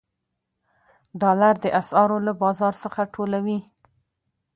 ډالر د اسعارو له بازار څخه ټولوي.